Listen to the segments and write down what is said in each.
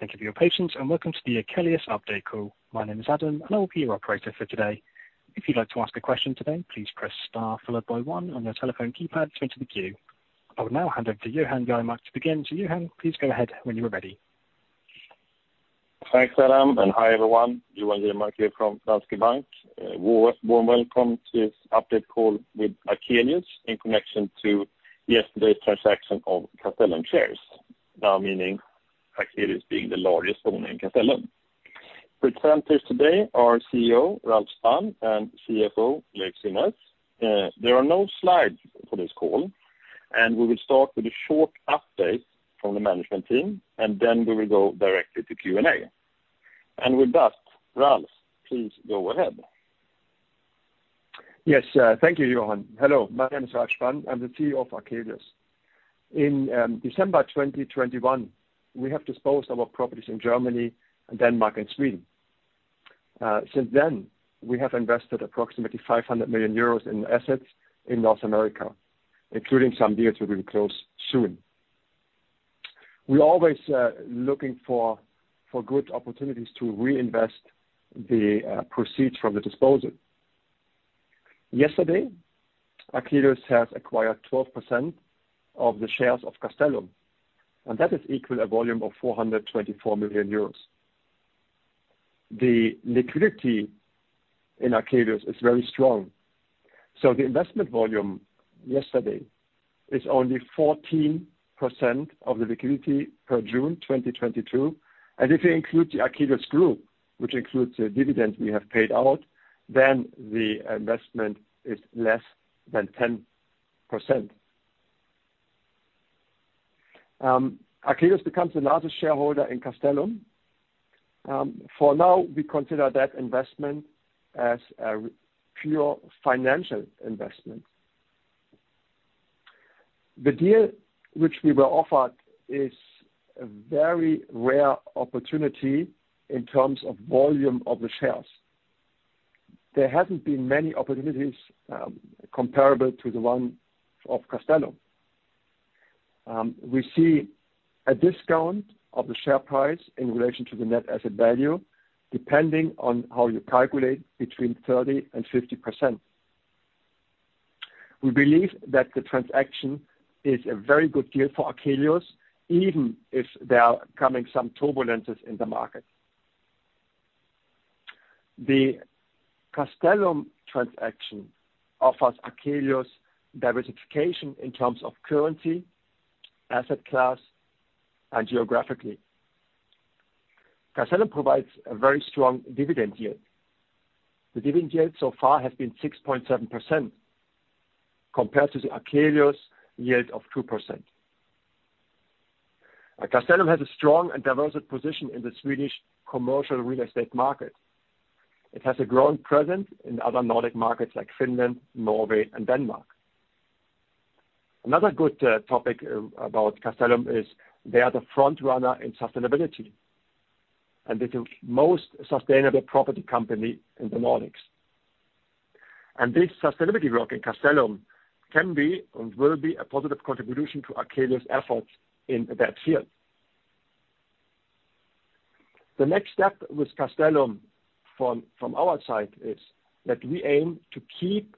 Thank you for your patience and welcome to the Akelius update call. My name is Adam, and I will be your operator for today. If you'd like to ask a question today, please press star followed by one on your telephone keypad to enter the queue. I will now hand over to Johan Germark to begin. Johan, please go ahead when you are ready. Thanks, Adam, and hi, everyone. Johan Germark here from Danske Bank. Warm welcome to this update call with Akelius in connection to yesterday's transaction of Castellum shares, now meaning Akelius being the largest owner in Castellum. Presenters today are CEO Ralf Spann and CFO Leiv Synnes. There are no slides for this call, and we will start with a short update from the management team, and then we will go directly to Q&A. With that, Ralf, please go ahead. Yes. Thank you, Johan. Hello, my name is Ralf Spann. I'm the CEO of Akelius. In December 2021, we have disposed of our properties in Germany and Denmark and Sweden. Since then, we have invested approximately 500 million euros in assets in North America, including some deals we will close soon. We're always looking for good opportunities to reinvest the proceeds from the disposal. Yesterday, Akelius has acquired 12% of the shares of Castellum, and that is equal a volume of 424 million euros. The liquidity in Akelius is very strong, so the investment volume yesterday is only 14% of the liquidity per June 2022. If you include the Akelius group, which includes the dividends we have paid out, then the investment is less than 10%. Akelius becomes the largest shareholder in Castellum. For now, we consider that investment as a pure financial investment. The deal which we were offered is a very rare opportunity in terms of volume of the shares. There hasn't been many opportunities, comparable to the one of Castellum. We see a discount of the share price in relation to the net asset value, depending on how you calculate between 30%-50%. We believe that the transaction is a very good deal for Akelius, even if there are coming some turbulences in the market. The Castellum transaction offers Akelius diversification in terms of currency, asset class, and geographically. Castellum provides a very strong dividend yield. The dividend yield so far has been 6.7% compared to the Akelius yield of 2%. Castellum has a strong and diversified position in the Swedish commercial real estate market. It has a growing presence in other Nordic markets like Finland, Norway, and Denmark. Another good topic about Castellum is they are the front runner in sustainability, and they're the most sustainable property company in the Nordics. This sustainability work in Castellum can be and will be a positive contribution to Akelius' efforts in that field. The next step with Castellum from our side is that we aim to keep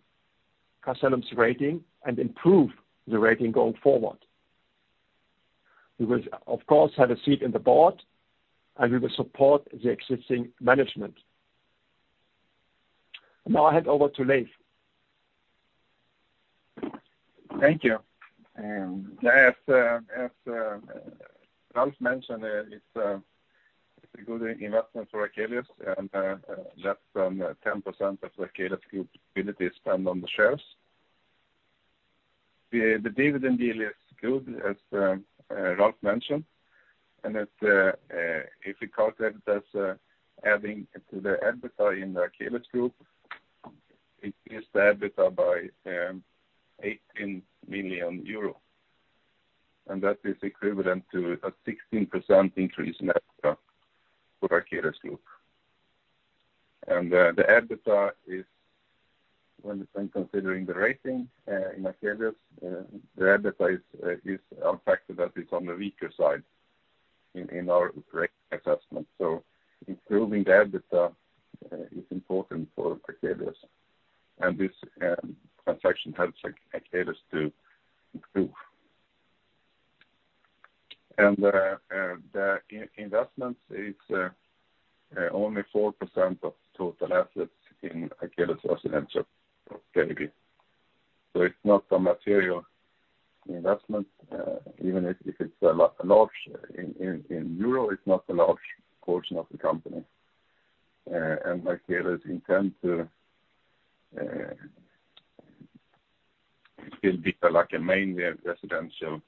Castellum's rating and improve the rating going forward. We will of course have a seat in the board, and we will support the existing management. Now I hand over to Leiv. Thank you. As Ralf mentioned, it's a good investment for Akelius, and less than 10% of Akelius Group's liabilities spent on the shares. The dividend deal is good, as Ralf mentioned. As if you count that as adding to the EBITDA in the Akelius Group, it increases the EBITDA by 18 million euro. That is equivalent to a 16% increase in EBITDA for Akelius Group. When considering the rating in Akelius, the EBITDA is a factor that is on the weaker side in our rating assessment. Improving the EBITDA is important for Akelius. This transaction helps Akelius to improve. The investments is only 4% of total assets in Akelius Residential Property AB. It's not a material investment. Even if it's a large in euro, it's not a large portion of the company. Akelius intends to still be like a mainly residential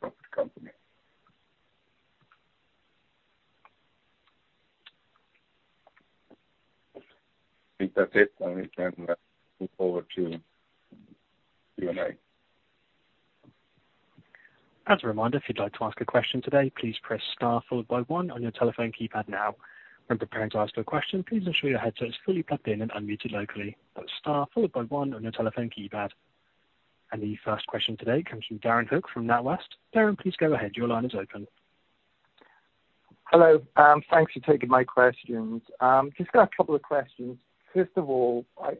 property company. I think that's it, and we can move over to Q&A. As a reminder, if you'd like to ask a question today, please press star followed by one on your telephone keypad now. When preparing to ask a question, please ensure your headset is fully plugged in and unmuted locally. That's star followed by one on your telephone keypad. The first question today comes from Darren Hook from NatWest. Darren, please go ahead. Your line is open. Hello. Thanks for taking my questions. Just got a couple of questions. First of all, I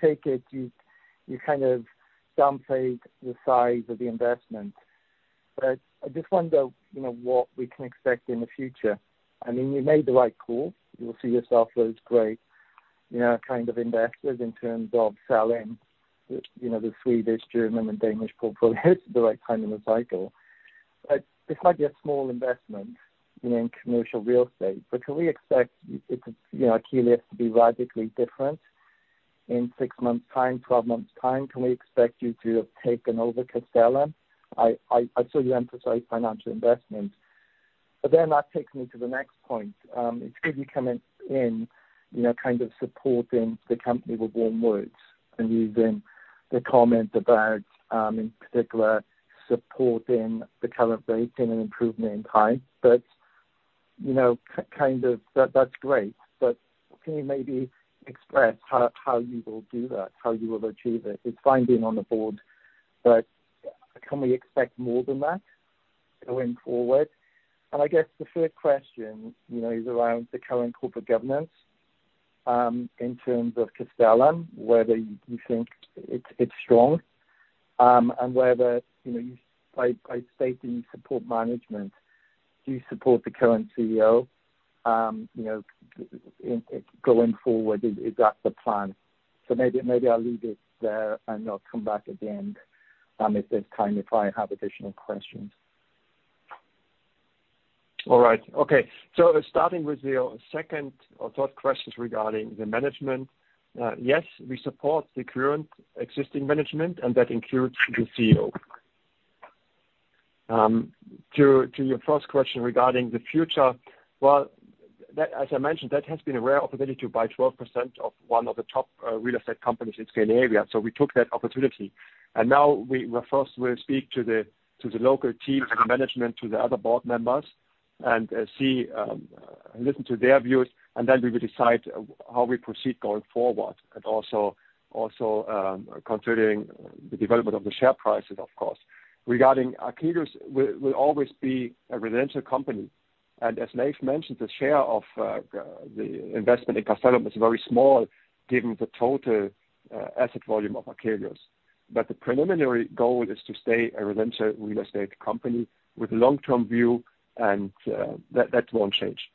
take it you kind of downplayed the size of the investment, but I just wonder, you know, what we can expect in the future. I mean, you made the right call. You will see your stock rose great. You know, kind of investors in terms of selling, you know, the Swedish, German and Danish portfolios at the right time in the cycle. This might be a small investment, you know, in commercial real estate, but can we expect, you know, Akelius to be radically different in six months time, 12 months time? Can we expect you to have taken over Castellum? I saw you emphasize financial investment. That takes me to the next point. It's good you coming in, you know, kind of supporting the company with warm words. Your comment about, in particular, supporting the current rating and improvement over time. But you know kind of that's great, but can you maybe express how you will do that, how you will achieve it? It's fine being on the board, but can we expect more than that going forward? I guess the third question you know is around the current corporate governance in terms of Akelius whether you think it's strong and whether you know by stating you support management do you support the current CEO you know in going forward is that the plan? Maybe I'll leave it there and I'll come back at the end if there's time if I have additional questions. All right. Okay. Starting with your second or third questions regarding the management. Yes, we support the current existing management, and that includes the CEO. To your first question regarding the future. Well, as I mentioned, that has been a rare opportunity to buy 12% of one of the top real estate companies in Scandinavia. We took that opportunity. Now we first will speak to the local team and the management, to the other board members and see, listen to their views, and then we will decide how we proceed going forward and also considering the development of the share prices, of course. Regarding Akelius will always be a residential company. As Leiv mentioned, the share of the investment in Castellum is very small given the total asset volume of Akelius. The preliminary goal is to stay a residential real estate company with long-term view and that won't change.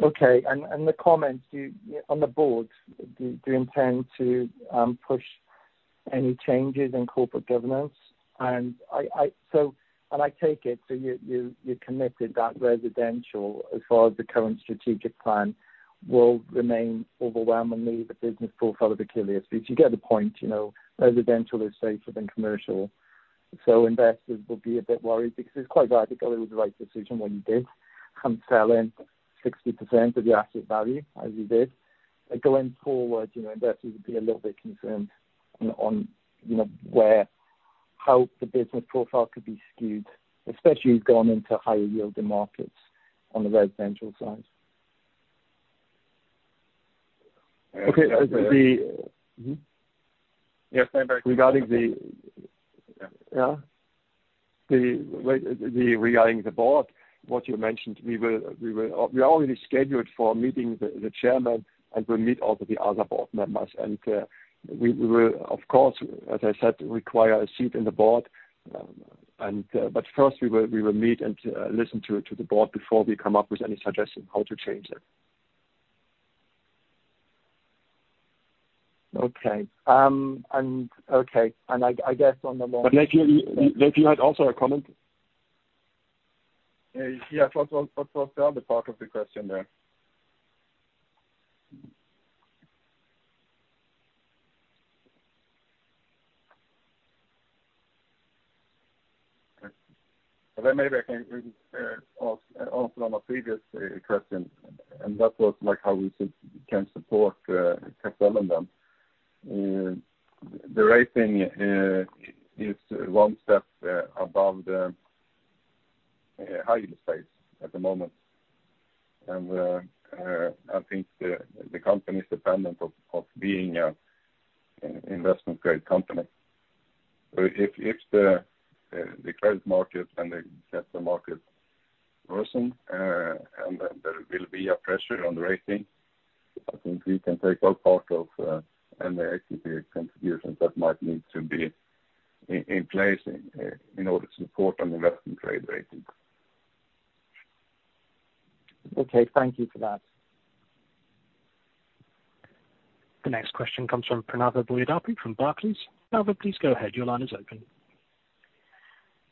The comments you, on the board, do you intend to push any changes in corporate governance? I take it, you're committed that residential, as far as the current strategic plan, will remain overwhelmingly the business profile of Akelius. Because you get the point, you know, residential is safer than commercial. Investors will be a bit worried because it's quite radical. It was the right decision when you did come selling 60% of your asset value as you did. Going forward, you know, investors will be a little bit concerned on, you know, where, how the business profile could be skewed, especially as you've gone into higher yielding markets on the residential side. Okay. Yes. Regarding the- Yeah. Regarding the board, what you mentioned, we already scheduled a meeting with the chairman, and we'll also meet the other board members. We will, of course, as I said, require a seat on the board. First we will meet and listen to the board before we come up with any suggestion how to change it. Okay, I guess on the board. Leiv, you had also a comment. Yeah. What was the other part of the question there? Then maybe I can ask on a previous question, and that was like how we can support Castellum then. The rating is one step above the high yield space at the moment. I think the company is dependent on being an investment grade company. If the credit market and the capital market worsen, and there will be a pressure on the rating, I think we can take our part in the equity contributions that might need to be in place in order to support an investment grade rating. Okay. Thank you for that. The next question comes from Pranava Boyidapu from Barclays. Pranava, please go ahead. Your line is open.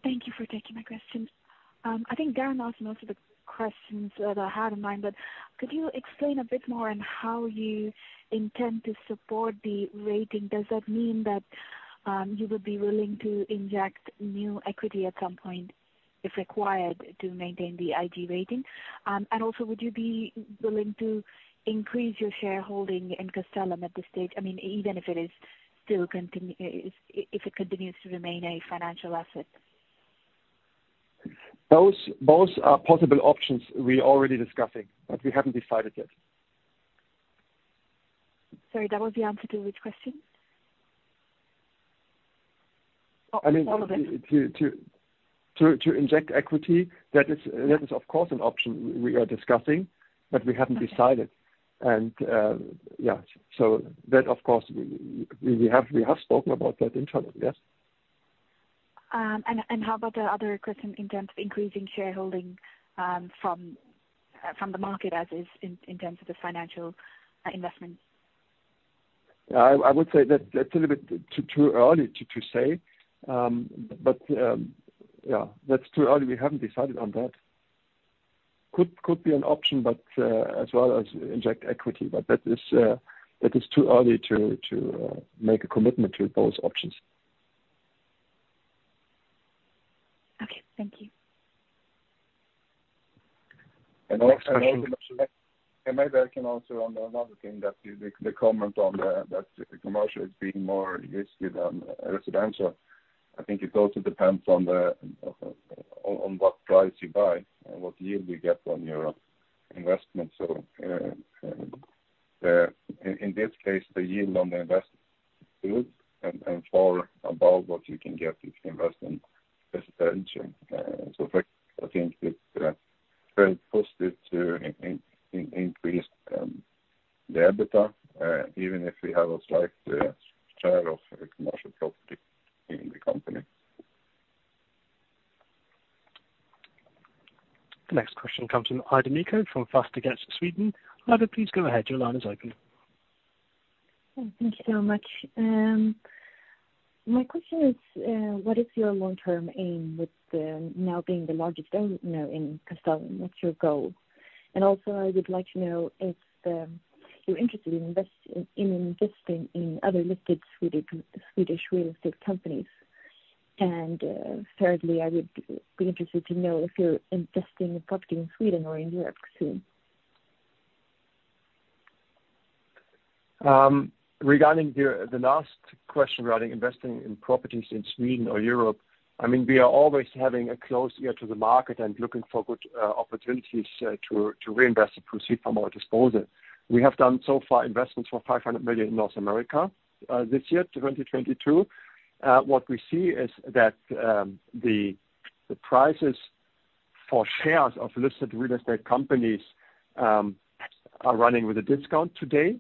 Thank you for taking my question. I think Darren asked most of the questions that I had in mind, but could you explain a bit more on how you intend to support the rating? Does that mean that you would be willing to inject new equity at some point if required to maintain the IG rating? And also would you be willing to increase your shareholding in Castellum at this stage? I mean, even if it continues to remain a financial asset? Those both are possible options we are already discussing, but we haven't decided yet. Sorry, that was the answer to which question? I mean. All of it. To inject equity, that is of course, an option we are discussing, but we haven't decided. Yeah. That of course, we have spoken about that internally. Yes. How about the other question in terms of increasing shareholding from the market as is in terms of the financial investment? Yeah, I would say that that's a little bit too early to say. That's too early. We haven't decided on that. Could be an option, but as well as inject equity. That is too early to make a commitment to both options. Okay. Thank you. Maybe I can answer on another thing: the comment that commercial is being more risky than residential. I think it also depends on what price you buy and what yield you get on your investment. In this case, the yield on the investment is good and far above what you can get if you invest in residential. I think it's very positive to increase the EBITDA even if we have a slight share of commercial property in the company. The next question comes from Ida Karlsson from Fastighetssverige. Ida, please go ahead. Your line is open. Thank you so much. My question is, what is your long-term aim with now being the largest owner in Castellum? What's your goal? Also I would like to know if you're interested in investing in other listed Swedish real estate companies. Thirdly, I would be interested to know if you're investing in property in Sweden or in Europe soon. Regarding the last question regarding investing in properties in Sweden or Europe, I mean, we are always having a close ear to the market and looking for good opportunities to reinvest the proceeds from our disposal. We have done so far investments for 500 million in North America this year, 2022. What we see is that the prices for shares of listed real estate companies are running with a discount today,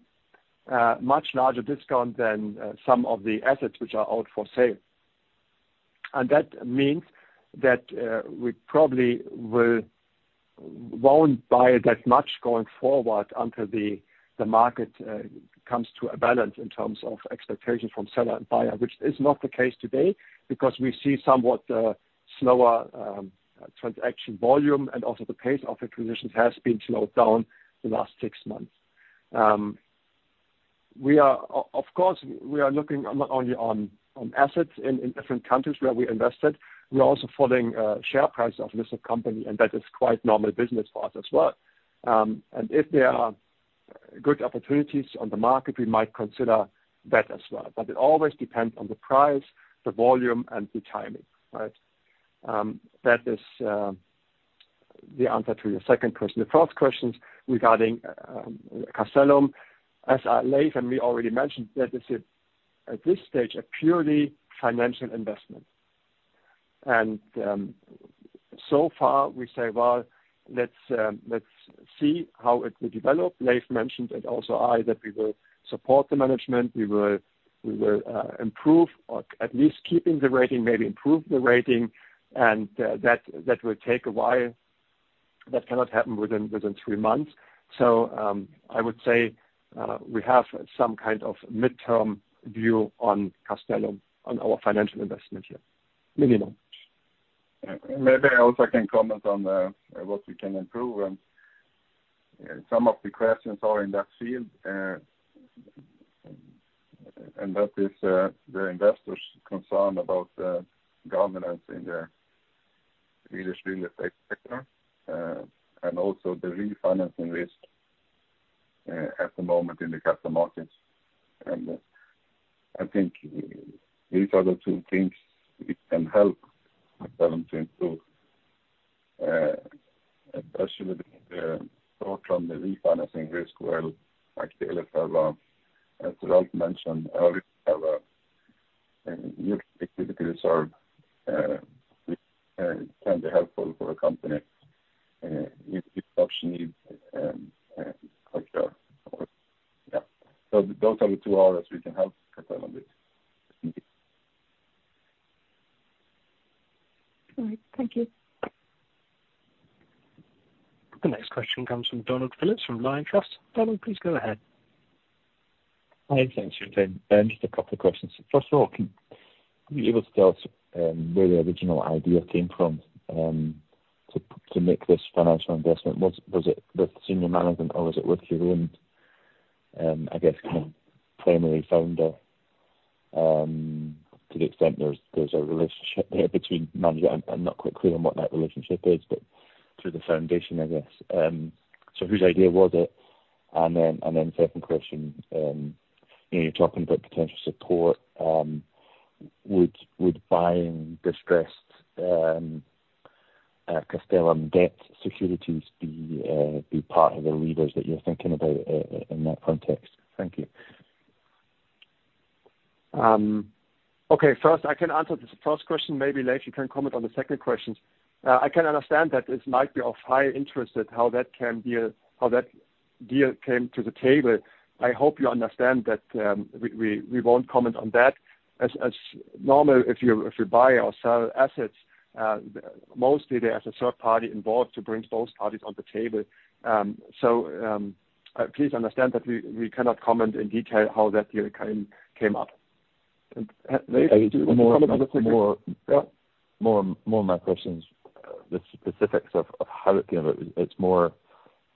much larger discount than some of the assets which are out for sale. That means that we probably won't buy that much going forward until the market comes to a balance in terms of expectations from seller and buyer, which is not the case today because we see somewhat slower transaction volume and also the pace of acquisitions has been slowed down the last six months. We are, of course, looking not only on assets in different countries where we invested. We are also following share price of listed company, and that is quite normal business for us as well. If there are good opportunities on the market, we might consider that as well. It always depends on the price, the volume and the timing, right. That is the answer to your second question. The first questions regarding Castellum. As Leiv and me already mentioned that this is at this stage a purely financial investment. So far we say, well, let's see how it will develop. Leiv mentioned and also I, that we will support the management. We will improve or at least keeping the rating, maybe improve the rating and, that will take a while. That cannot happen within three months. I would say we have some kind of midterm view on Castellum, on our financial investment here, minimum. Maybe I also can comment on what we can improve and some of the questions are in that field. That is the investors' concern about the governance in the Swedish real estate sector, also the refinancing risk at the moment in the capital markets. I think these are the two things we can help Castellum to improve. Especially the thought on the refinancing risk. Well, like Akelius, as Ralf mentioned earlier, have a new liquidity reserve, which can be helpful for a company, if such need occur. Those are the two areas we can help Castellum with. All right. Thank you. The next question comes from Donald Phillips from Liontrust. Donald, please go ahead. Hi. Thanks. Just a couple of questions. First of all, can you be able to tell us where the original idea came from to make this financial investment? Was it with senior management or was it with your own, I guess primary founder? To the extent there's a relationship there between management. I'm not quite clear on what that relationship is, but to the foundation, I guess. Whose idea was it? Second question, you know, you're talking about potential support, would buying distressed Castellum debt securities be part of the levers that you're thinking about in that context? Thank you. Okay, first I can answer the first question. Maybe Leiv you can comment on the second question. I can understand that this might be of high interest at how that can be, how that deal came to the table. I hope you understand that, we won't comment on that as normal if you buy or sell assets, mostly there is a third party involved to bring both parties on the table. Please understand that we cannot comment in detail how that deal came up. Leiv, do you want to comment on the second? More of my questions, the specifics of how it came about. It's more,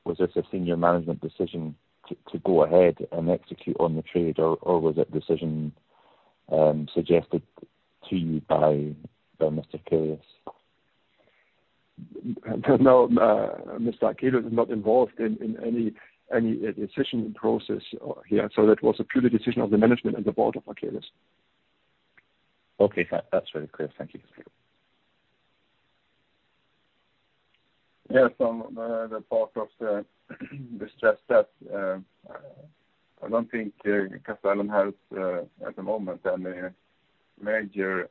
was this a senior management decision to go ahead and execute on the trade, or was that decision suggested to you by Roger Akelius? No, Roger Akelius is not involved in any decision process here. That was purely a decision of the management and the board of Akelius. Okay. That's really clear. Thank you. Yeah. The part of the stress test, I don't think Castellum has at the moment any major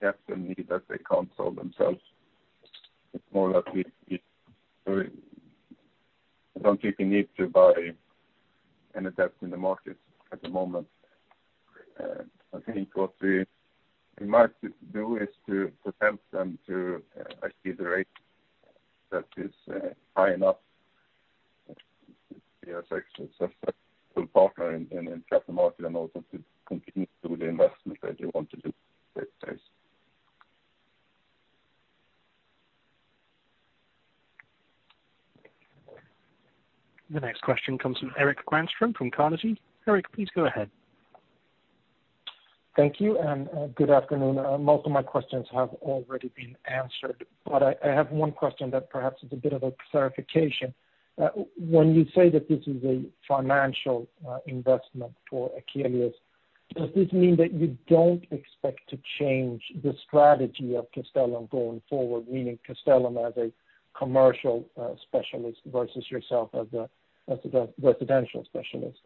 capital need that they can't solve themselves. It's more that I don't think we need to buy any debt in the market at the moment. I think what we might do is to tempt them to achieve the rate that is high enough to be a successful partner in capital market and also to continue to do the investment that they want to do these days. The next question comes from Erik Granström from Carnegie. Erik, please go ahead. Thank you. Good afternoon. Most of my questions have already been answered, but I have one question that perhaps is a bit of a clarification. When you say that this is a financial investment for Akelius, does this mean that you don't expect to change the strategy of Castellum going forward? Meaning Castellum as a commercial specialist versus yourself as a residential specialist.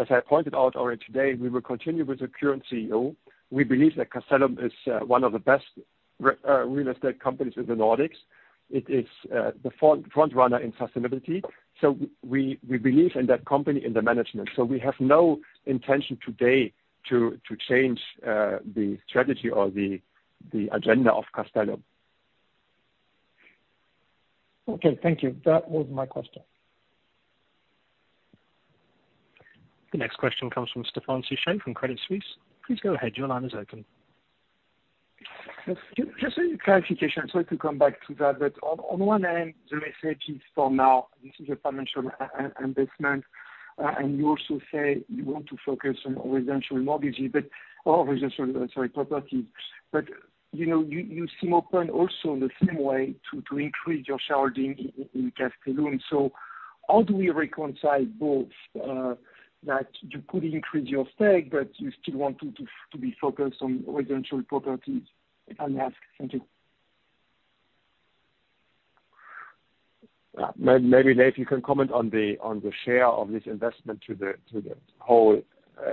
As I pointed out already today, we will continue with the current CEO. We believe that Castellum is one of the best real estate companies in the Nordics. It is the front runner in sustainability. We believe in that company and the management. We have no intention today to change the strategy or the agenda of Castellum. Okay. Thank you. That was my question. The next question comes from Stefan Shchurmann from Credit Suisse. Please go ahead. Your line is open. Just a clarification. Sorry to come back to that, but on one hand, the message is for now this is a financial investment. And you also say you want to focus on residential properties. You seem open also in the same way to increase your shareholding in Castellum. How do we reconcile both, that you could increase your stake, but you still want to be focused on residential properties? I'll ask. Thank you. Maybe, Leiv, you can comment on the share of this investment to the whole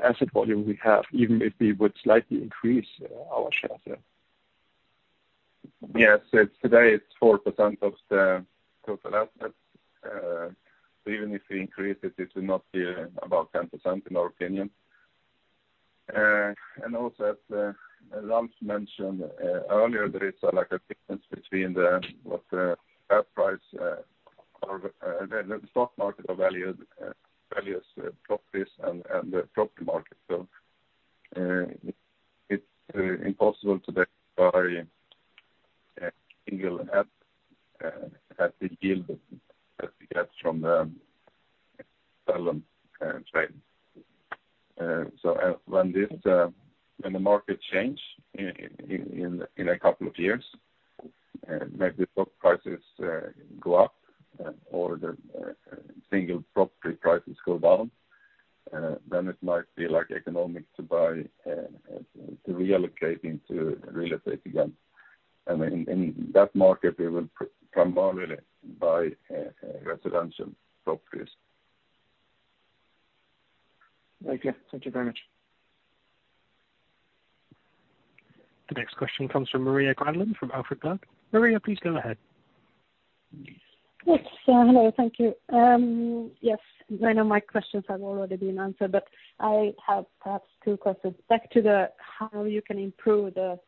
asset volume we have, even if we would slightly increase our share there. Yes. Today it's 4% of the total assets. Even if we increase it will not be above 10% in our opinion. Ralf mentioned earlier, there is like a difference between what the share price or the stock market value values properties and the property market. It's impossible today to buy a single A at the yield that we get from the Castellum trade. When the market changes in a couple of years, maybe stock prices go up or the single property prices go down, then it might be like economical to buy to reallocate into real estate again. In that market, we will primarily buy residential properties. Thank you. Thank you very much. The next question comes from Maria Granlund from Alfred Berg. Maria, please go ahead. Yes. Yes. Hello. Thank you. Yes, I know my questions have already been answered, but I have perhaps two questions. Back to the how you can improve the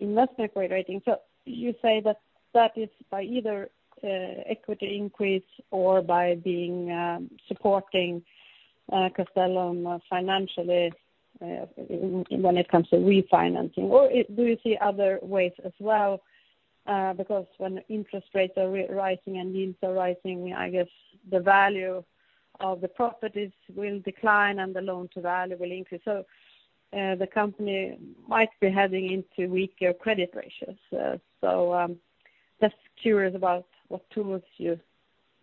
investment grade rating. So you say that that is by either equity increase or by being supporting Castellum financially when it comes to refinancing. Or do you see other ways as well? Because when interest rates are rising and yields are rising, I guess the value of the properties will decline and the loan to value will increase. So the company might be heading into weaker credit ratios. So just curious about what tools you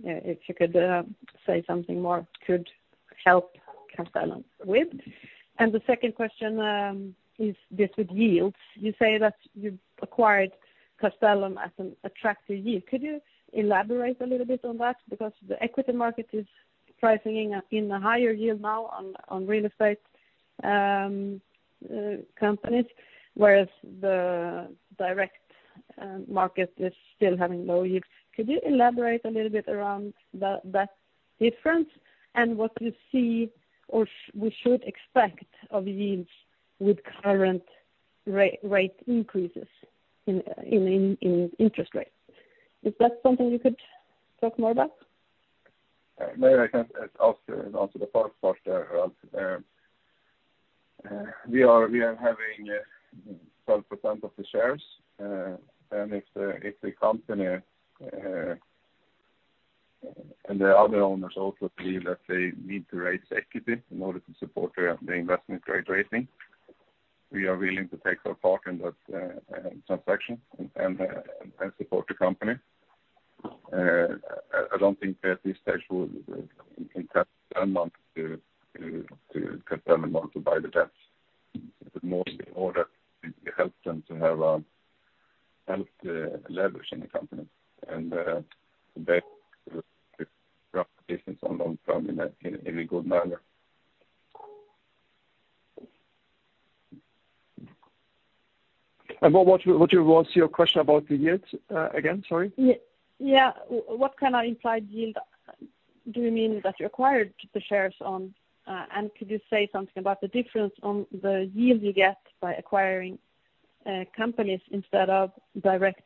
if you could say something more could help Castellum with. And the second question is with yields. You say that you acquired Castellum at an attractive yield. Could you elaborate a little bit on that? Because the equity market is pricing in a higher yield now on real estate companies, whereas the direct market is still having low yields. Could you elaborate a little bit around that difference and what you see or we should expect of yields with current rate increases in interest rates? Is that something you could talk more about? Maybe I can answer the first part. We are having 12% of the shares. If the company and the other owners also feel that they need to raise equity in order to support the investment grade rating, we are willing to take our part in that transaction and support the company. I don't think that this threshold can Castellum to Castellum in order to buy the debts, but more in order to help them to have healthy leverage in the company. Better What was your question about the yields again? Sorry. Yeah. What kind of implied yield do you mean that you acquired the shares on? Could you say something about the difference on the yield you get by acquiring companies instead of direct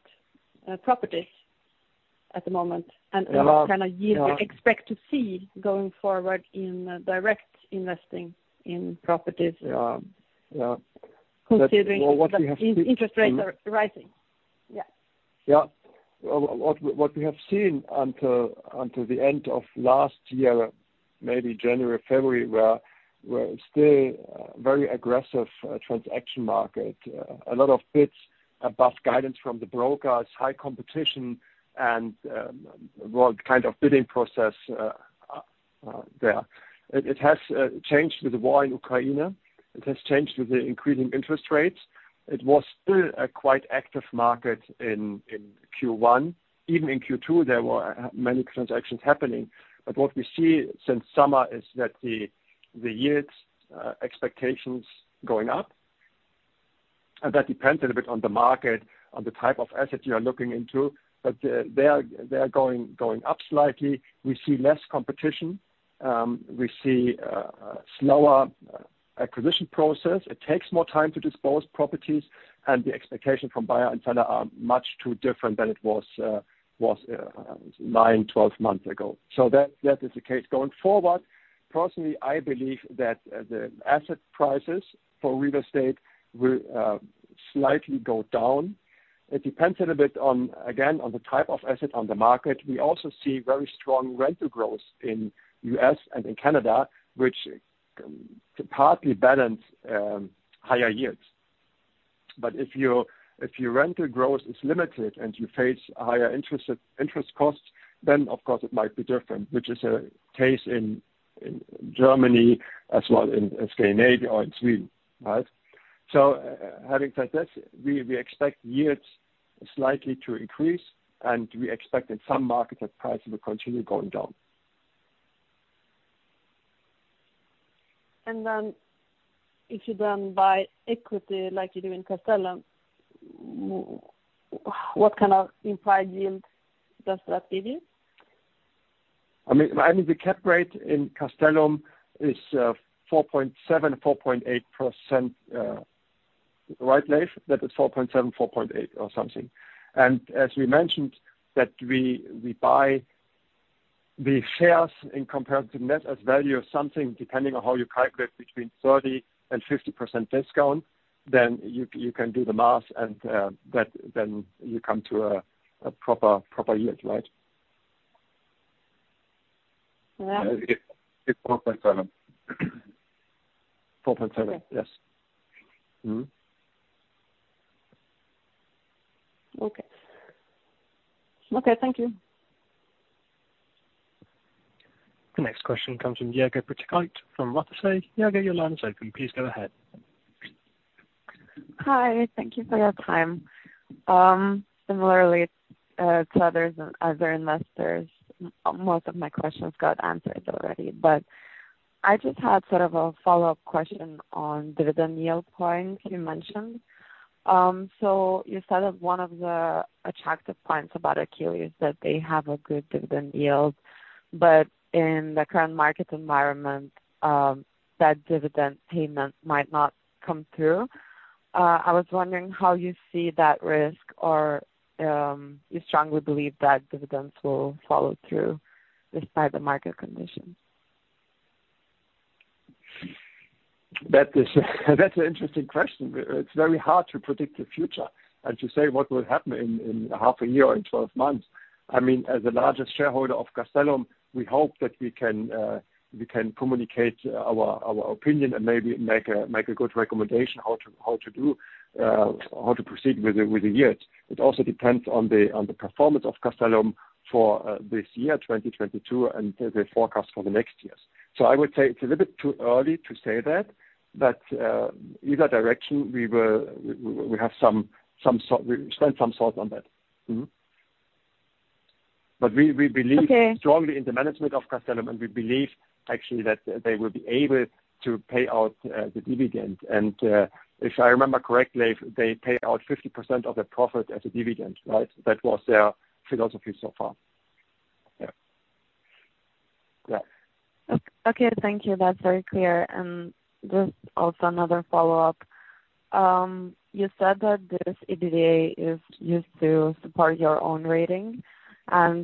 properties at the moment? What kind of yield you expect to see going forward in direct investing in properties? Yeah. Yeah. Considering the interest rates are rising. Yeah. Yeah. What we have seen until the end of last year, maybe January, February, were still very aggressive transaction market. A lot of bids above guidance from the brokers, high competition and kind of bidding process there. It has changed with the war in Ukraine. It has changed with the increasing interest rates. It was still a quite active market in Q1. Even in Q2, there were many transactions happening. What we see since summer is that the yields expectations going up. That depends a little bit on the market, on the type of asset you are looking into. They are going up slightly. We see less competition. We see slower acquisition process. It takes more time to dispose of properties, and the expectation from buyer and seller are much too different than it was 9, 12 months ago. That is the case going forward. Personally, I believe that the asset prices for real estate will slightly go down. It depends a little bit on, again, on the type of asset on the market. We also see very strong rental growth in U.S. and in Canada, which can partly balance higher yields. But if your rental growth is limited and you face higher interest costs, then of course it might be different, which is a case in Germany as well in Scandinavia or in Sweden. Right? Having said this, we expect yields slightly to increase and we expect in some markets that prices will continue going down. If you then buy equity like you do in Castellum, what kind of implied yield does that give you? I mean, the cap rate in Castellum is 4.7%-4.8%, right, Leiv? That is 4.7%-4.8% or something. As we mentioned that we buy the shares in comparison to net asset value of something, depending on how you calculate between 30% and 50% discount, then you can do the math and that then you come to a proper yield, right? Yeah. It's 4.7. Yes. Okay. Okay, thank you. The next question comes from Diego Pitarch from Rothschild. Diego, your line is open. Please go ahead. Hi, thank you for your time. Similarly, to other investors, most of my questions got answered already, but I just had sort of a follow-up question on dividend yield point you mentioned. You said that one of the attractive points about Akelius that they have a good dividend yield, but in the current market environment, that dividend payment might not come through. I was wondering how you see that risk or you strongly believe that dividends will follow through despite the market conditions. That's an interesting question. It's very hard to predict the future and to say what will happen in half a year or 12 months. I mean, as the largest shareholder of Castellum, we hope that we can communicate our opinion and maybe make a good recommendation how to proceed with the years. It also depends on the performance of Castellum for this year, 2022, and the forecast for the next years. I would say it's a little bit too early to say that, but either direction, we have spent some thought on that. We believe- Okay. Strongly in the management of Castellum, and we believe actually that they will be able to pay out the dividend. If I remember correctly, they pay out 50% of their profit as a dividend, right? That was their philosophy so far. Okay, thank you. That's very clear. Just also another follow-up. You said that this EBITDA is used to support your own rating. I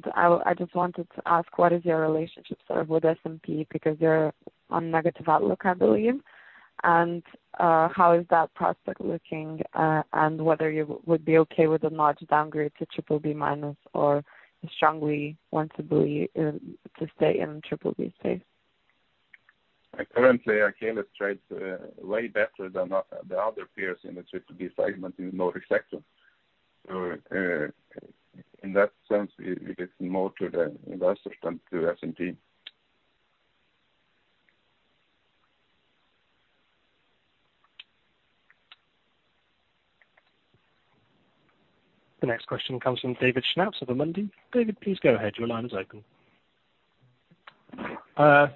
just wanted to ask, what is your relationship sort of with S&P, because you're on negative outlook, I believe. How is that prospect looking, and whether you would be okay with a large downgrade to triple B minus or strongly want to believe to stay in triple B space? Currently, Akelius trades way better than the other peers in the triple B segment in Nordic sector. In that sense, it's more to the investors than to S&P. The next question comes from David Schnaps of Amundi. David, please go ahead. Your line is open.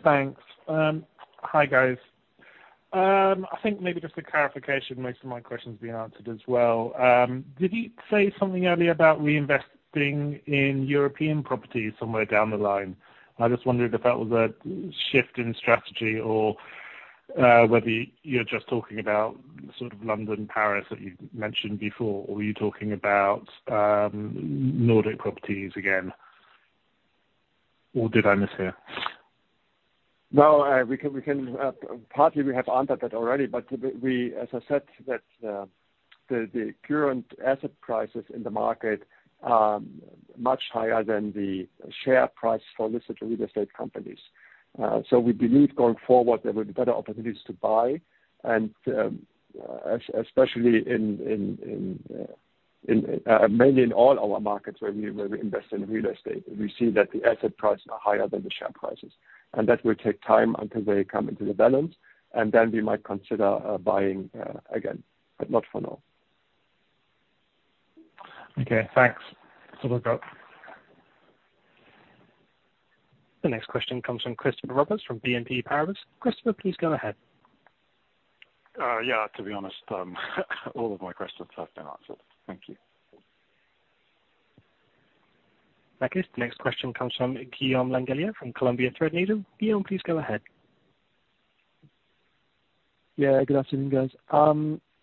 Thanks. Hi, guys. I think maybe just a clarification, most of my question's been answered as well. Did you say something earlier about reinvesting in European properties somewhere down the line? I just wondered if that was a shift in strategy or whether you're just talking about sort of London, Paris, that you mentioned before, or were you talking about Nordic properties again? Or did I mishear? No, we can partly, we have answered that already, but we, as I said, the current asset prices in the market are much higher than the share price for listed real estate companies. We believe going forward, there will be better opportunities to buy and especially, mainly in all our markets where we invest in real estate. We see that the asset prices are higher than the share prices, and that will take time until they come into the balance, and then we might consider buying again, but not for now. Okay, thanks. Over and out. The next question comes from Chris Roberts from BNP Paribas. Chris, please go ahead. Yeah, to be honest, all of my questions have been answered. Thank you. Okay. The next question comes from Guillaume Langellier from Columbia Threadneedle. Guillaume, please go ahead. Yeah, good afternoon, guys.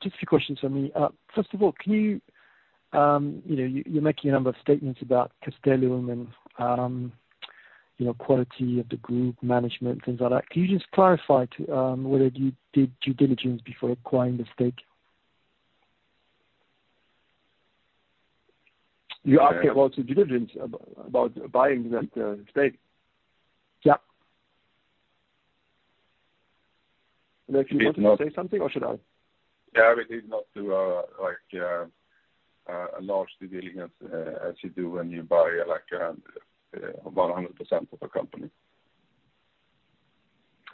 Just a few questions from me. First of all, can you know, you're making a number of statements about Castellum and, you know, quality of the group management, things like that. Can you just clarify to whether you did due diligence before acquiring the stake? You asked about due diligence about buying that stake? Yeah. Nick, you want to say something or should I? Yeah, we did not do like a large due diligence, as you do when you buy like 100% of a company.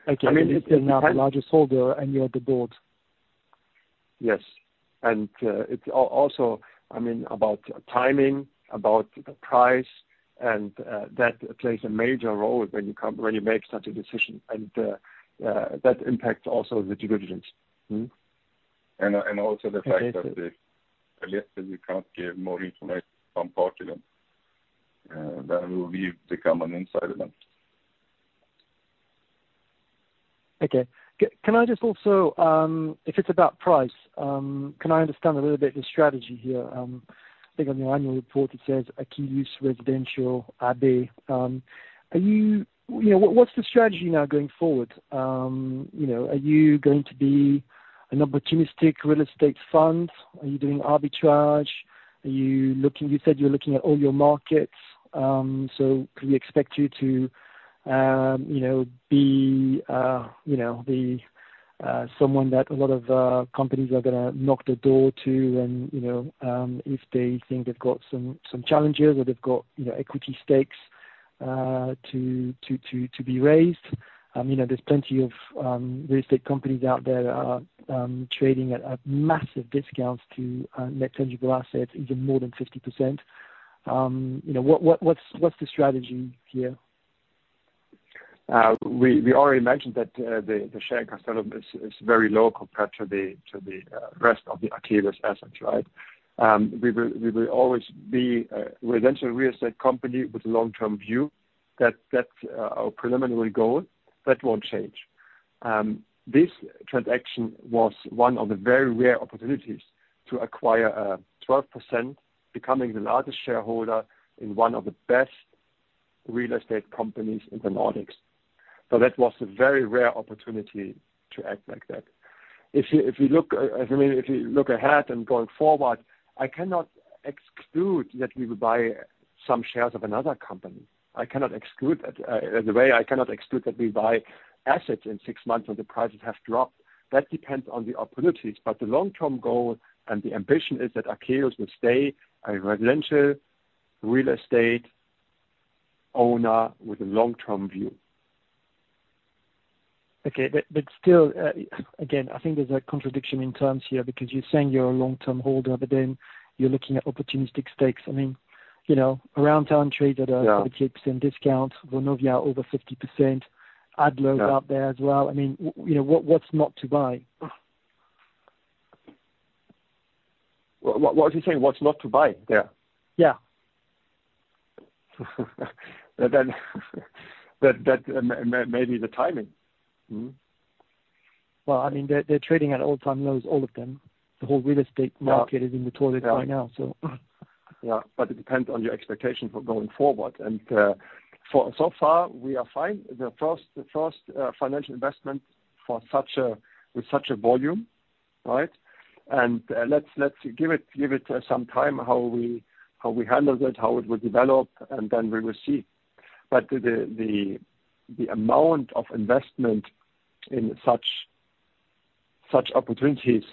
Okay. You're now the largest holder and you're the board. Yes. It's also, I mean, about timing, about price, and that plays a major role when you make such a decision. That impacts also the due diligence. Mm-hmm. Also the fact that at least we can't give more information on Castellum, that will become an insider event. Okay. Can I just also, if it's about price, can I understand a little bit your strategy here? I think on the annual report, it says Akelius Residential, AB. You know, what's the strategy now going forward? You know, are you going to be an opportunistic real estate fund? Are you doing arbitrage? You said you're looking at all your markets, so can we expect you to, you know, be someone that a lot of companies are gonna knock on the door and, you know, if they think they've got some challenges or they've got, you know, equity stakes to be raised? You know, there's plenty of real estate companies out there that are trading at massive discounts to net tangible assets, even more than 50%. You know, what's the strategy here? We already mentioned that the share Castellum is very low compared to the rest of the Akelius assets, right? We will always be a residential real estate company with a long-term view. That's our preliminary goal. That won't change. This transaction was one of the very rare opportunities to acquire a 12%, becoming the largest shareholder in one of the best- Real estate companies in the Nordics. That was a very rare opportunity to act like that. If you look ahead and going forward, I mean, I cannot exclude that we would buy some shares of another company. I cannot exclude that. In the same way, I cannot exclude that we buy assets in six months when the prices have dropped. That depends on the opportunities, but the long-term goal and the ambition is that Akelius will stay a residential real estate owner with a long-term view. Okay. Still, again, I think there's a contradiction in terms here because you're saying you're a long-term holder, but then you're looking at opportunistic stakes. I mean, you know, around town trades that are. Yeah. 30% discount. Vonovia over 50%. Adler Yeah. out there as well. I mean, what's not to buy? What are you saying, what's not to buy? Yeah. Yeah. Maybe the timing. Well, I mean, they're trading at all-time lows, all of them. The whole real estate Yeah. The market is in the toilet right now, so. Yeah. It depends on your expectation for going forward. For so far, we are fine. The first financial investment with such a volume, right? Let's give it some time, how we handle it, how it will develop, and then we will see. The amount of investment in such opportunities.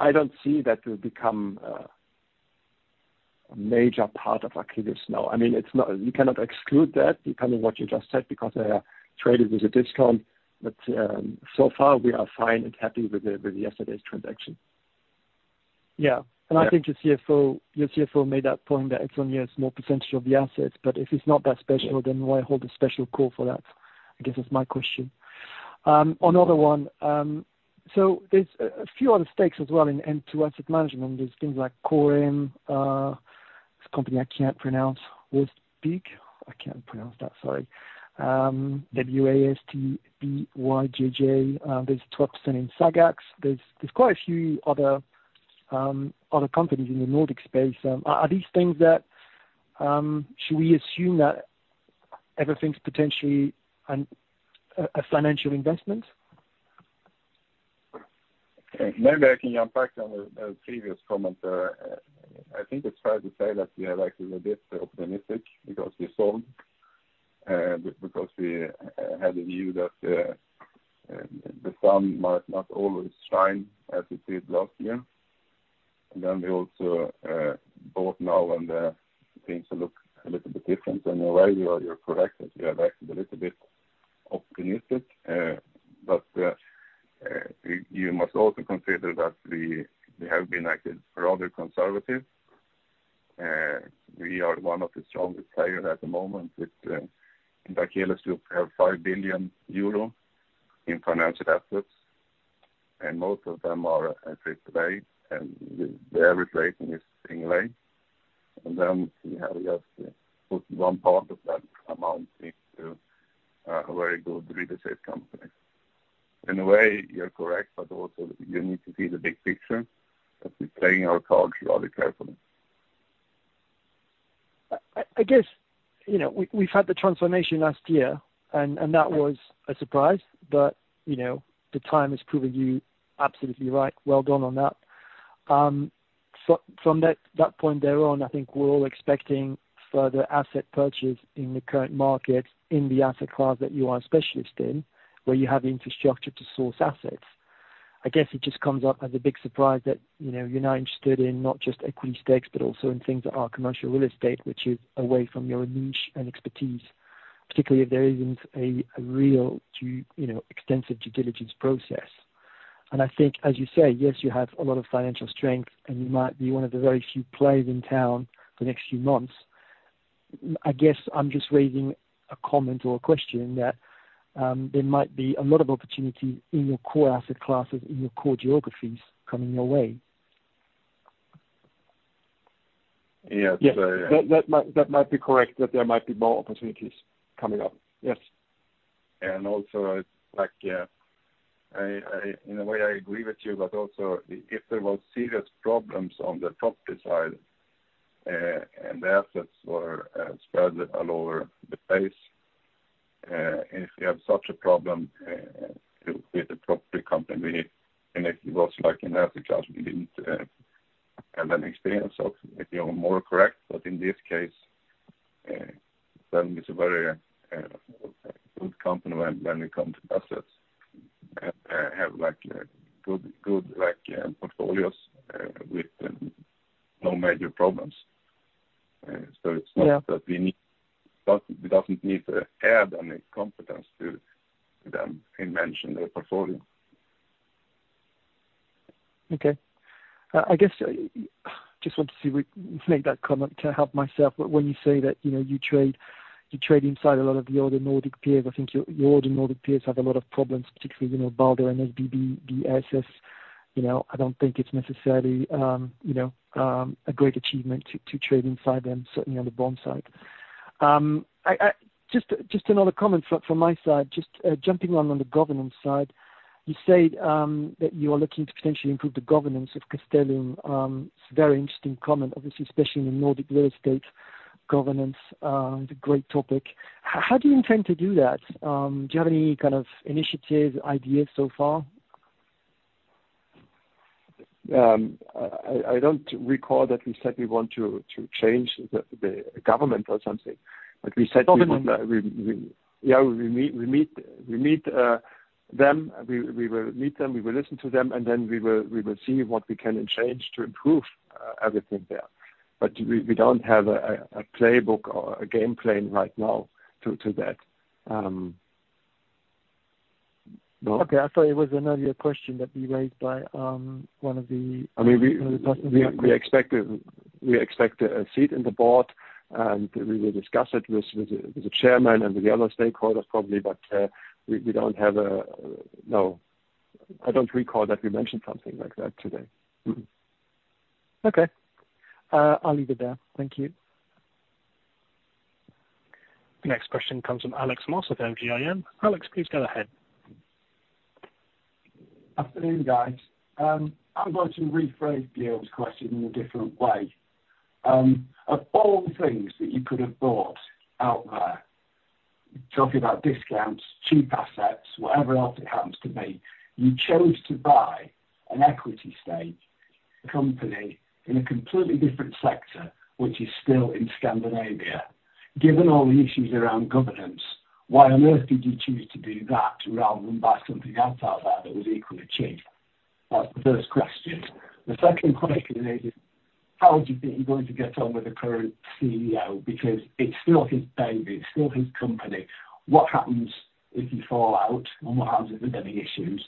I don't see that will become a major part of Akelius now. I mean, it's not. You cannot exclude that depending on what you just said, because they are traded with a discount. So far we are fine and happy with yesterday's transaction. Yeah. Yeah. I think your CFO made that point that it's only a small percentage of the assets, but if it's not that special. Why hold a special call for that? I guess is my question. Another one. There's a few other stakes as well into asset management. There's things like Corem, this company I can't pronounce, Wästbygg. I can't pronounce that, sorry. W-A-S-T-B-Y-G-G. There's 12% in Sagax. There's quite a few other companies in the Nordic space. Are these things that should we assume that everything's potentially a financial investment? Maybe I can unpack on the previous comment. I think it's fair to say that we are like a little bit optimistic because we sold because we had a view that the sun might not always shine as it did last year. Then we also bought now and things look a little bit different. In a way you are correct that we have acted a little bit optimistic. But you must also consider that we have been like rather conservative. We are one of the strongest players at the moment with in Akelius we have 5 billion euro in financial assets and most of them are at fixed rate and the average rating is single A. We have put one part of that amount into a very good real estate company. In a way, you're correct, but also you need to see the big picture, that we're playing our cards rather carefully. I guess, you know, we've had the transformation last year and that was a surprise. You know, the time has proven you absolutely right. Well done on that. From that point thereon, I think we're all expecting further asset purchase in the current market, in the asset class that you are a specialist in, where you have the infrastructure to source assets. I guess it just comes up as a big surprise that, you know, you're now interested in not just equity stakes, but also in things that are commercial real estate, which is away from your niche and expertise, particularly if there isn't a real, you know, extensive due diligence process. I think, as you say, yes, you have a lot of financial strength, and you might be one of the very few players in town for the next few months. I guess I'm just raising a comment or a question that, there might be a lot of opportunity in your core asset classes, in your core geographies coming your way. That might be correct, that there might be more opportunities coming up. Yes. It's like, in a way, I agree with you, but also if there were serious problems on the property side, and the assets were spread all over the place, and if you have such a problem with the property company, and it was like in Africa, because we didn't have an experience of, you know, more correct. In this case, then it's a very good company when it comes to assets. Have like good like portfolios with no major problems. It's not- Yeah. It doesn't need to add any competence to them in managing their portfolio. Okay. I guess, just want to see if we make that comment to help myself. When you say that, you know, you trade inside a lot of the other Nordic peers, I think your other Nordic peers have a lot of problems, particularly, you know, Balder and SBB, DSS, you know. I don't think it's necessarily, you know, a great achievement to trade inside them, certainly on the bond side. Just another comment from my side. Just jumping on the governance side. You said that you are looking to potentially improve the governance of Castellum. It's a very interesting comment, obviously, especially in the Nordic real estate governance. It's a great topic. How do you intend to do that? Do you have any kind of initiative ideas so far? I don't recall that we said we want to change the government or something. We said Governance. Yeah, we meet them. We will meet them, we will listen to them, and then we will see what we can change to improve everything there. We don't have a playbook or a game plan right now to that. Okay. I thought it was an earlier question that we raised by one of the- I mean, we expect a seat on the board, and we will discuss it with the chairman and the other stakeholders probably. No, I don't recall that we mentioned something like that today. Okay. I'll leave it there. Thank you. The next question comes from Alex Moss of M&G Investment Management. Alex, please go ahead. Afternoon, guys. I'm going to rephrase Neil's question in a different way. Of all things that you could have bought out there, talking about discounts, cheap assets, whatever else it happens to be, you chose to buy an equity stake in a company in a completely different sector, which is still in Scandinavia. Given all the issues around governance, why on earth did you choose to do that rather than buy something else out there that was equally cheap? That's the first question. The second question is how do you think you're going to get on with the current CEO? Because it's still his baby, it's still his company. What happens if you fall out and what happens if there's any issues?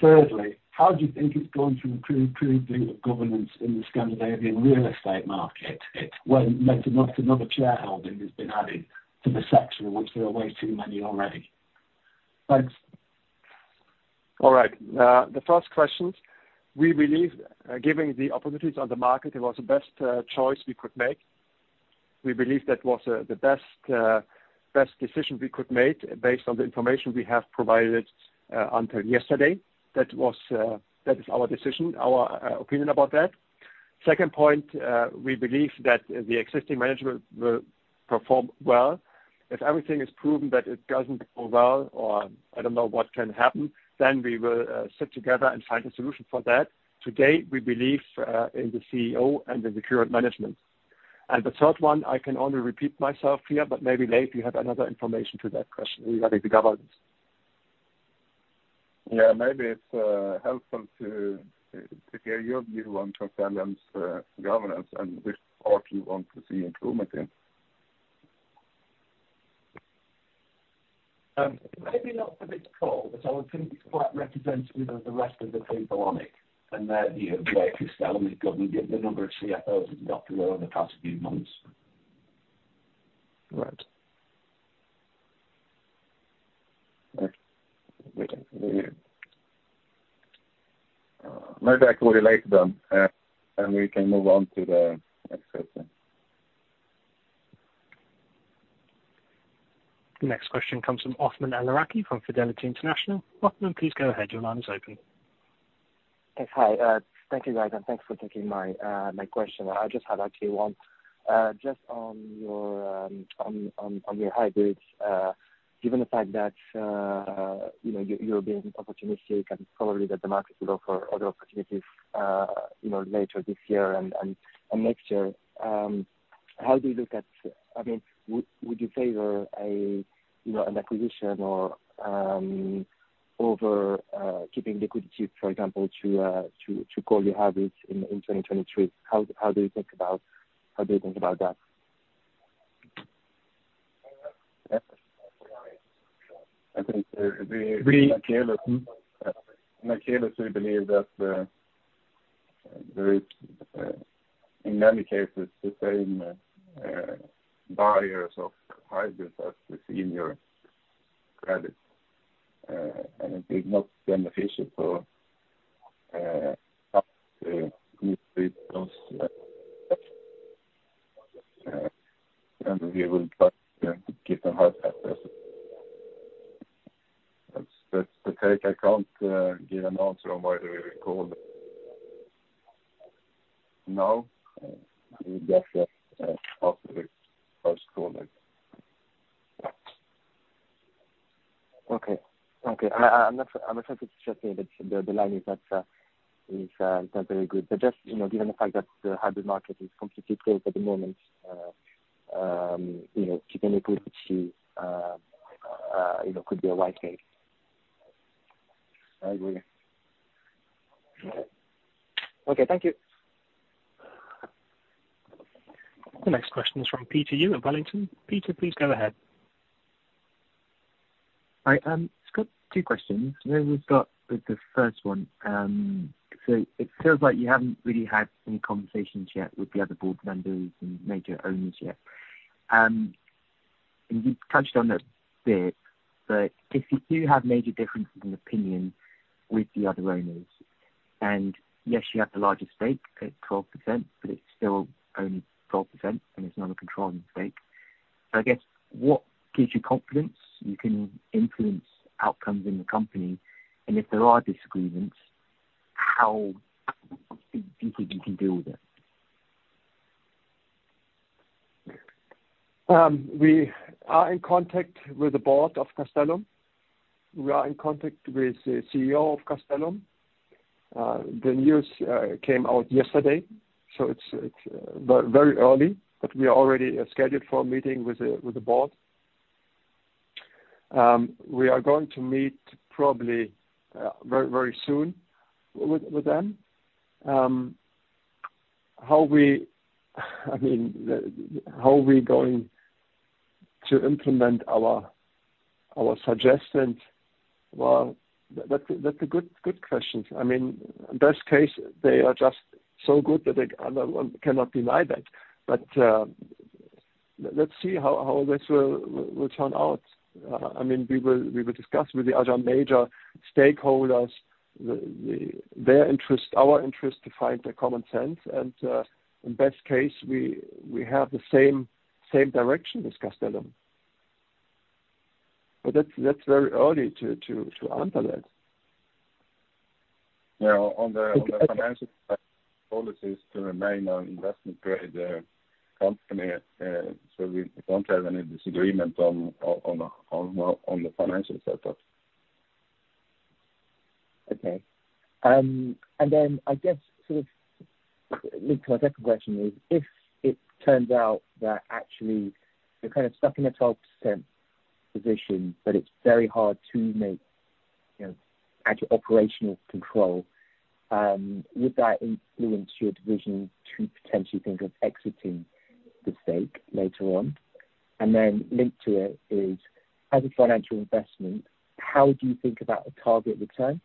Thirdly, how do you think it's going to improve the governance in the Scandinavian real estate market? When making up another shareholding that's been added to the section, which there are way too many already. Thanks. All right. The first questions, we believe, giving the opportunities on the market, it was the best choice we could make. We believe that was the best decision we could make based on the information we have provided until yesterday. That was, that is our decision, our opinion about that. Second point, we believe that the existing management will perform well. If everything is proven that it doesn't go well or I don't know what can happen, then we will sit together and find a solution for that. Today, we believe in the CEO and in the current management. The third one, I can only repeat myself here, but maybe Leiv, you have another information to that question regarding the governance. Yeah, maybe it's helpful to hear your view on Transcendum's governance and which part you want to see improvement in. Maybe not for this call, but I would think it's quite representative of the rest of the people on it. Their view of where Castellum is going, given the number of CFOs it's got through over the past few months. Right. Maybe I could relate them, and we can move on to the next question. The next question comes from Osman Alraki from Fidelity International. Osman, please go ahead. Your line is open. Okay. Hi. Thank you, guys, and thanks for taking my question. I just had actually one just on your hybrids. Given the fact that you know, you're being opportunistic and probably that the market will offer other opportunities, you know, later this year and next year, how do you look at, I mean, would you favor a you know, an acquisition or over keeping liquidity, for example, to call your hybrids in 2023? How do you think about that? I think we, like Castellum, we believe that there is in many cases the same buyers of hybrids as the senior credits. It is not beneficial for us to lose with those. We will try to keep them happy. That's the take. I can't give an answer on whether we will call it. Now, I would guess that After the first quarter. Okay. I'm attempting to check here that the line is not very good. Just, you know, given the fact that the hybrid market is completely closed at the moment, you know, keeping liquidity could be the right call. I agree. Okay. Thank you. The next question is from Peter Yu at Wellington. Peter, please go ahead. All right. Just got two questions. Maybe we've got with the first one. So it feels like you haven't really had any conversations yet with the other board members and major owners yet. You've touched on that a bit, but if you do have major differences in opinion with the other owners. Yes, you have the largest stake at 12%, but it's still only 12%, and it's not a controlling stake. So I guess what gives you confidence you can influence outcomes in the company? If there are disagreements, how do you think you can deal with it? We are in contact with the board of Castellum. We are in contact with the CEO of Castellum. The news came out yesterday, so it's very early, but we are already scheduled for a meeting with the board. We are going to meet probably very soon with them. How are we going to implement our suggestions? Well, that's a good question. I mean, best case they are just so good that they cannot deny that. Let's see how this will turn out. I mean, we will discuss with the other major stakeholders their interest, our interest to find a common sense. In best case, we have the same direction as Castellum. That's very early to answer that. Yeah. Okay. On the financial policies to remain an investment grade company. We don't have any disagreement on the financial setup. Okay. I guess sort of linked to my second question is if it turns out that actually you're kind of stuck in a 12% position, but it's very hard to make, you know, actual operational control, would that influence your division to potentially think of exiting the stake later on? Linked to it is, as a financial investment, how do you think about a target return?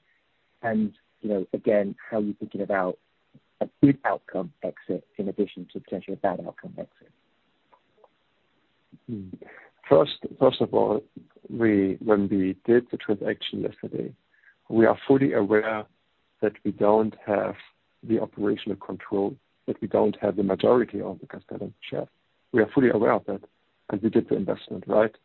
You know, again, how are you thinking about a good outcome exit in addition to potentially a bad outcome exit? First of all, when we did the transaction yesterday, we are fully aware that we don't have the operational control, that we don't have the majority of the Castellum shares. We are fully aware of that, and we did the investment, right?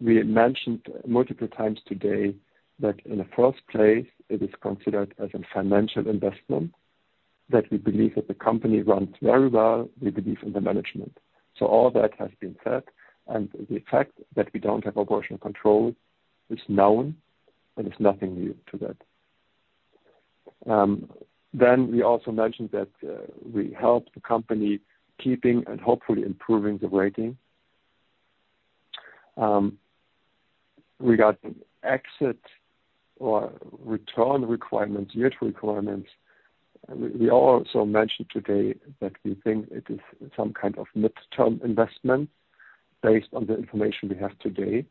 We mentioned multiple times today that in the first place it is considered as a financial investment that we believe that the company runs very well. We believe in the management. All that has been said and the fact that we don't have operational control is known and it's nothing new to that. We also mentioned that we help the company keeping and hopefully improving the rating. Regarding exit or return requirements, yield requirements, we also mentioned today that we think it is some kind of midterm investment based on the information we have today.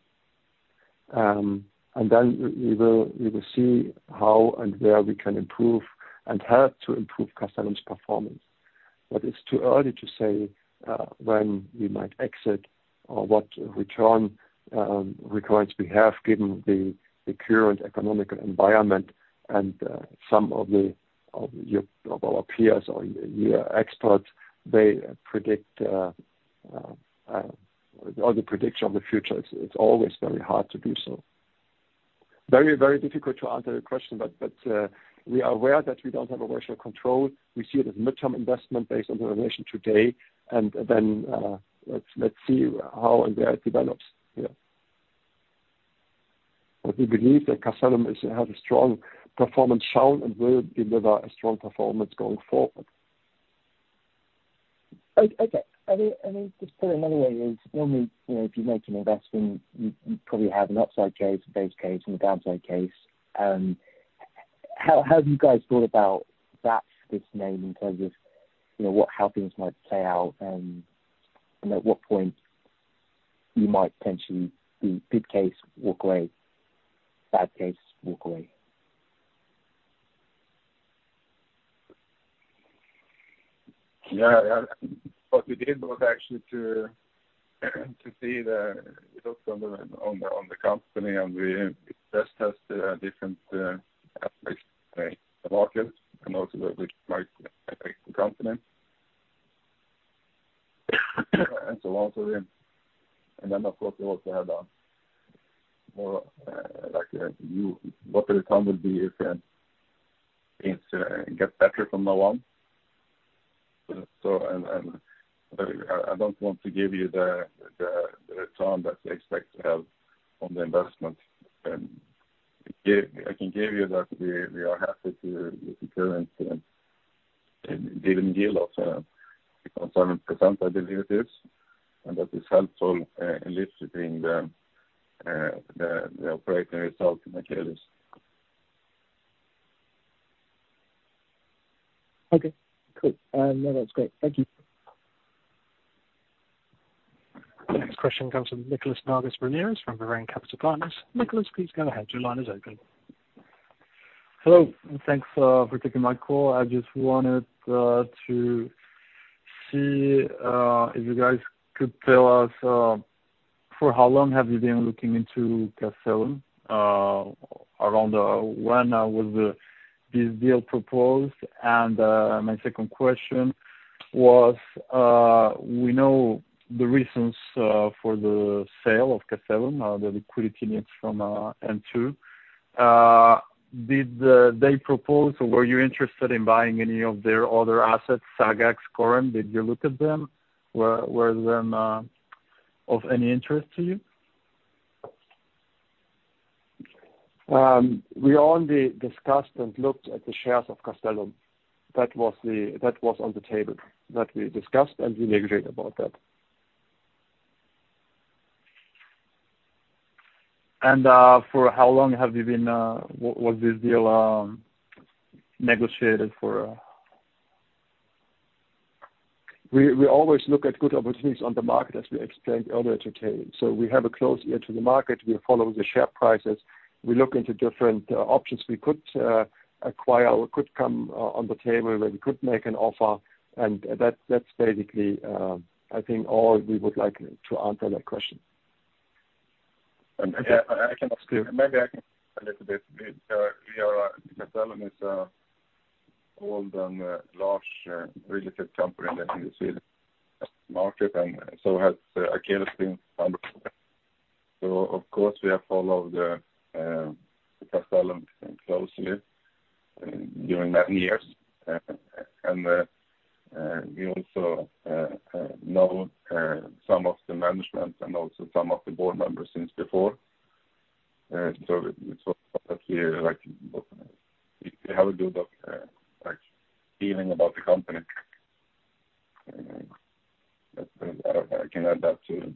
Then we will see how and where we can improve and help to improve Castellum's performance. It's too early to say when we might exit or what return requirements we have given the current economic environment. Some of our peers or your experts predict the future. It's always very hard to do so. Very difficult to answer the question, but we are aware that we don't have operational control. We see it as midterm investment based on the information today. Let's see how and where it develops. We believe that Castellum has a strong performance shown and will deliver a strong performance going forward. Okay. I mean, just put it another way is normally, you know, if you make an investment, you probably have an upside case, a base case and a downside case. How have you guys thought about that this name in terms of, you know, how things might play out? At what point you might potentially the good case walk away, bad case walk away? Yeah, yeah. What we did was actually to see the company and we tested different aspects, right? The market and also which might affect the company. So on. Then of course we also had more like what the return will be if things get better from now on. I don't want to give you the return that we expect to have on the investment. I can give you that we are happy to with the current deal of 7% I believe it is. That this helps all at least within the operating results in the case. Okay, cool. No, that's great. Thank you. Next question comes from Nicholas Vargas Ramirez from Bain Capital Partners. Nicholas, please go ahead. Your line is open. Hello, thanks, for taking my call. I just wanted to See if you guys could tell us for how long have you been looking into Castellum? Around when was this deal proposed? My second question was, we know the reasons for the sale of Castellum, the liquidity needs from M2. Did they propose or were you interested in buying any of their other assets, Sagax, Corem? Did you look at them? Were they of any interest to you? We only discussed and looked at the shares of Castellum. That was on the table that we discussed, and we negotiated about that. For how long was this deal negotiated for? We always look at good opportunities on the market, as we explained earlier today. We have a close ear to the market. We follow the share prices. We look into different options we could acquire or could come on the table, where we could make an offer. That's basically, I think all we would like to answer that question. I can ask you. Maybe I can add a little bit. Castellum is old and relatively large company in the industry market, and so has Akelius been. Of course, we have followed Castellum closely during those years. We also know some of the management and also some of the board members since before. It's also like a feeling about the company. I don't know. I can add that to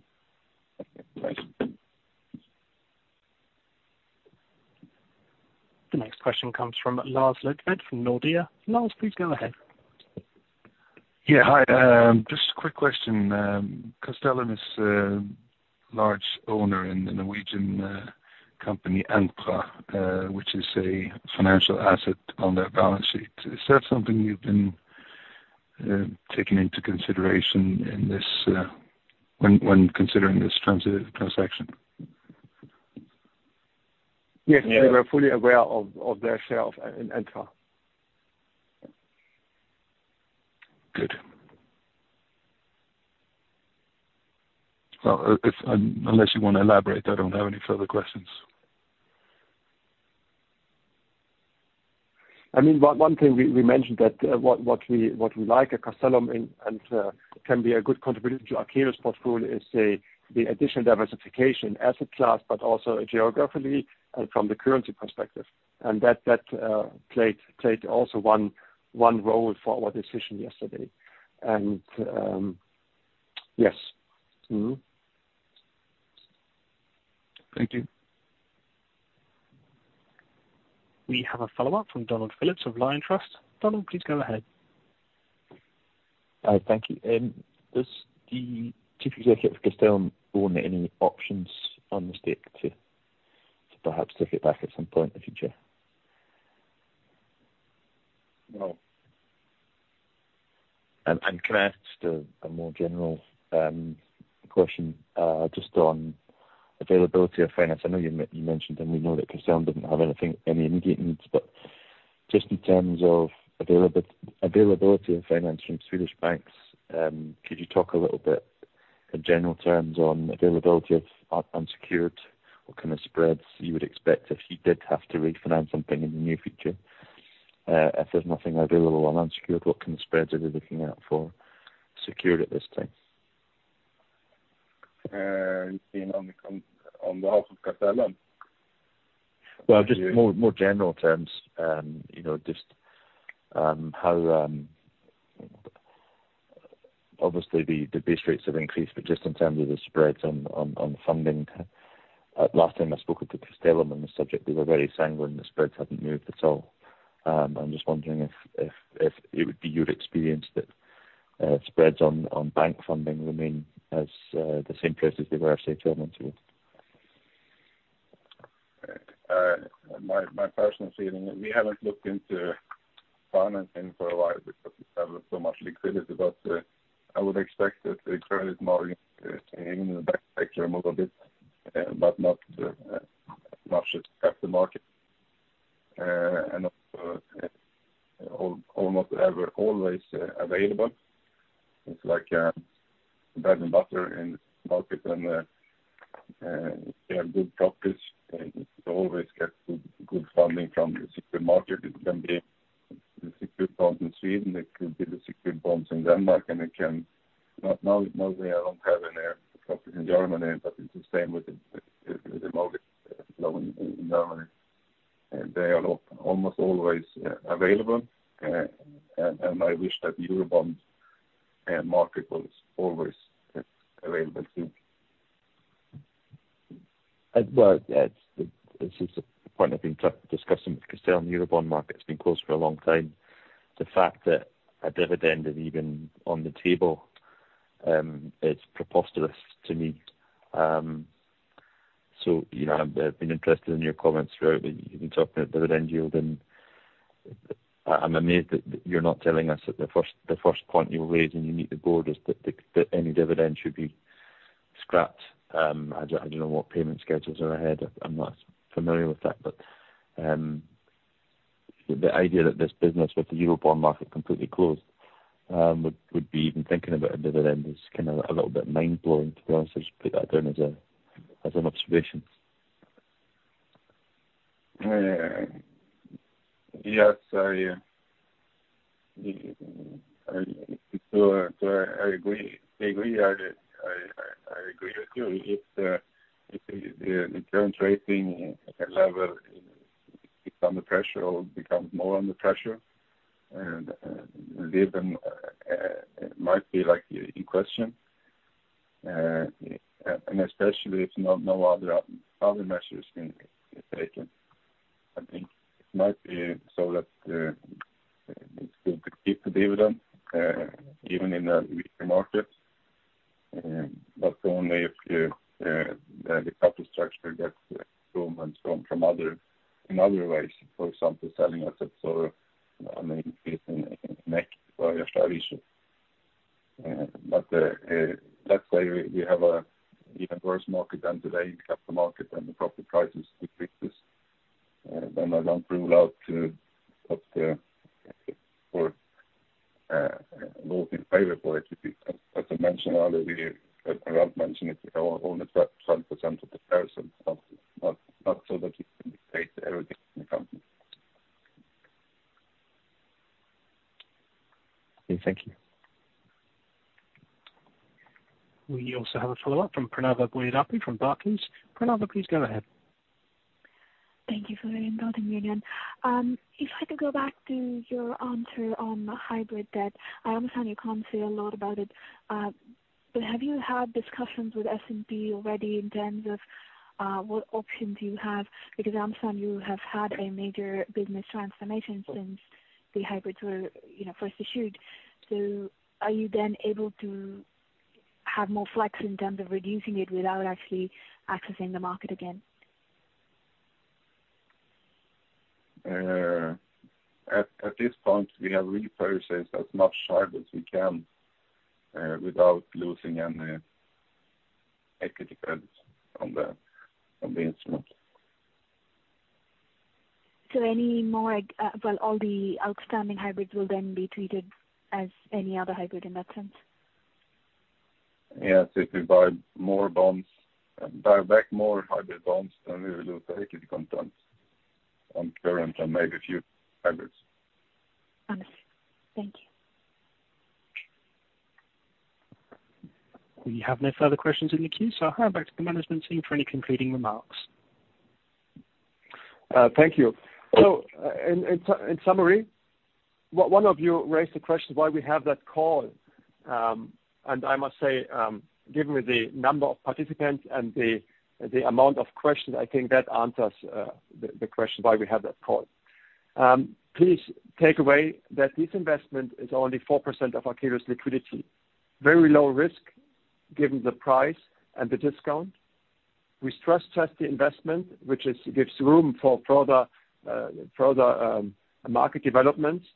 The next question comes from Lars Løkvedt from Nordea. Lars, please go ahead. Yeah. Hi. Just a quick question. Castellum is a large owner in the Norwegian company Entra, which is a financial asset on their balance sheet. Is that something you've been taking into consideration in this, when considering this transaction? Yes. Yeah. We were fully aware of their share of Entra. Good. Well, unless you wanna elaborate, I don't have any further questions. I mean, one thing we mentioned that what we like at Castellum can be a good contribution to Akelius's portfolio is the additional diversification asset class, but also geographically and from the currency perspective. That played also one role for our decision yesterday. Yes. Mm-hmm. Thank you. We have a follow-up from Donald Phillips of Liontrust. Donald, please go ahead. Thank you. Does the Castellum own any options on the stock to perhaps take it back at some point in the future? No. Can I ask just a more general question just on availability of finance? I know you mentioned and we know that Castellum didn't have anything, any immediate needs, but just in terms of availability of finance from Swedish banks, could you talk a little bit in general terms on availability of, on unsecured? What kind of spreads you would expect if you did have to refinance something in the near future? If there's nothing available on unsecured, what kind of spreads are you looking out for secured at this time? You mean on behalf of Castellum? Well, just more general terms. You know, just how obviously the base rates have increased, but just in terms of the spreads on the funding. Last time I spoke with the Castellum on this subject, they were very sanguine. The spreads haven't moved at all. I'm just wondering if it would be your experience that spreads on bank funding remain as the same place as they were, say, two months ago. My personal feeling, we haven't looked into financing for a while because we have so much liquidity. I would expect that the credit margin even in the best case improve a bit, but not just at the market. Almost always available. It's like bread and butter in the market and if you have good properties you always get good funding from the covered market. It can be the covered bonds in Sweden, it could be the covered bonds in Denmark. Now we don't have any properties in Germany, but it's the same with the mortgage loan in Germany. They are almost always available. I wish that the Eurobond market was always available too. This is a point I've been discussing with Castellum. Eurobond market has been closed for a long time. The fact that a dividend is even on the table is preposterous to me. You know, I've been interested in your comments throughout. You've been talking about dividend yield, and I'm amazed that you're not telling us that the first point you raise when you meet the board is that any dividend should be scrapped. I don't know what payment schedules are ahead. I'm not familiar with that. The idea that this business with the Eurobond market completely closed would be even thinking about a dividend is kind of a little bit mind-blowing, to be honest. I just put that down as an observation. Yes, I agree with you. If the current rating level is under pressure or becomes more under pressure and dividend might be like in question, and especially if no other measures been taken, I think it might be so that it's good to keep the dividend even in the weaker markets. Only if the capital structure gets improvements from other in other ways, for example, selling assets or an increase in thank you. We also have a follow-up from Pranava Boyidapu from Barclays. Pranava, please go ahead. Thank you for having me on again. If I could go back to your answer on hybrid debt. I understand you can't say a lot about it, but have you had discussions with S&P already in terms of what options you have? Because I understand you have had a major business transformation since the hybrids were, you know, first issued. Are you then able to have more flex in terms of reducing it without actually accessing the market again? At this point, we have really processed as much hybrid as we can without losing any equity funds on the instrument. All the outstanding hybrids will then be treated as any other hybrid in that sense? Yes. If we buy more bonds, buy back more hybrid bonds, then we will lose the equity content on current and maybe a few hybrids. Understood. Thank you. We have no further questions in the queue, so I'll hand back to the management team for any concluding remarks. Thank you. In summary, one of you raised the question why we have that call. I must say, given the number of participants and the amount of questions, I think that answers the question why we have that call. Please take away that this investment is only 4% of Akelius liquidity. Very low risk given the price and the discount. We stress-test the investment, which gives room for further market developments.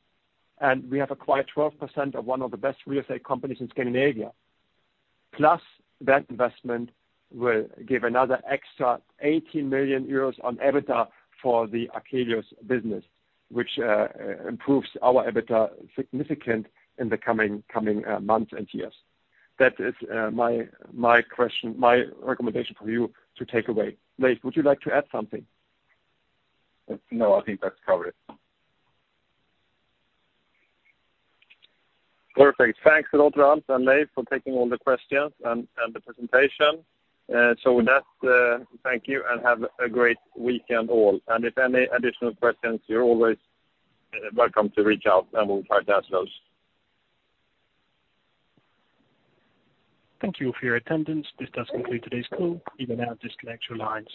We have acquired 12% of one of the best real estate companies in Scandinavia. Plus, that investment will give another extra 80 million euros on EBITDA for the Akelius business, which improves our EBITDA significantly in the coming months and years. That is my recommendation for you to take away. Leiv, would you like to add something? No, I think that's covered. Perfect. Thanks a lot, Ralf and Leiv for taking all the questions and the presentation. So with that, thank you and have a great weekend all. If any additional questions, you're always welcome to reach out, and we'll try to answer those. Thank you for your attendance. This does conclude today's call. You may now disconnect your lines.